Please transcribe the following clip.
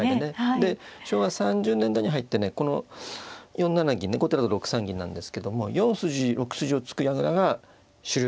で昭和３０年代に入ってねこの４七銀で後手が６三銀なんですけども。４筋６筋を突く矢倉が主流になったんですよ。